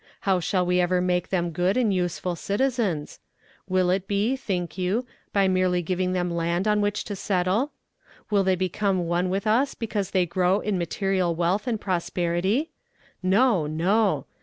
How shall we ever make them good and useful citizens? Will it be, think you, by merely giving them land on which to settle? Will they become one with us because they grow in material wealth and prosperity? No, no!